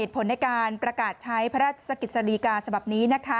เหตุผลในการประกาศใช้พระราชกฤษฎีกาสำหรับนี้